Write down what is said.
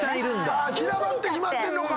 散らばってしまってんのか。